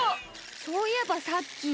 そういえばさっき。